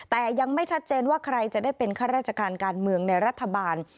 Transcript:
แต่ยังไม่ชัดเจนว่าใครจะได้เป็นข้าราชการการเมืองในรัฐบาล